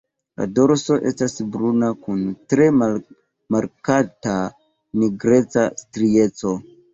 La dorso estas bruna kun tre markata nigreca strieco.